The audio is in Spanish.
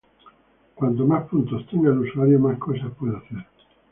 Cuantos más puntos tenga el usuario, más cosas puede hacer.